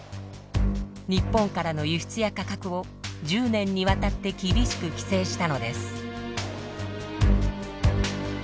日本からの輸出や価格を１０年にわたって厳しく規制したのです。